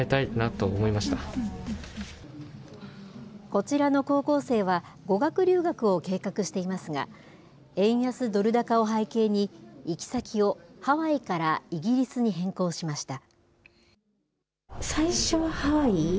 こちらの高校生は、語学留学を計画していますが、円安ドル高を背景に、行き先をハワイからイギリスに変更しました。